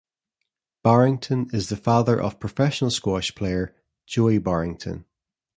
Barrington is the father of professional squash player Joey Barrington.